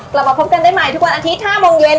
กลับมาพบกันได้ใหม่ทุกวันอาทิตย์๕โมงเย็น